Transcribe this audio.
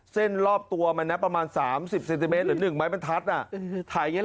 เส้นรอบตัวมันนะประมาณ๓๐เซนติเมตรหรือ๑ไม้บรรทัดน่ะ